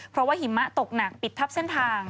เพราะว่าหิมะตกหนักปิดทับเส้นทาง